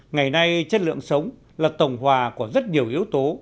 ngày nay chất lượng sống là tổng hòa của rất nhiều yếu tố